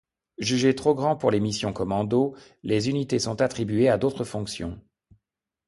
Jugée trop grand pour les missions commandos, les unités sont attribuées à d'autres fonctions.